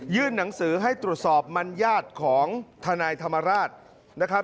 หนังสือให้ตรวจสอบมันญาติของทนายธรรมราชนะครับ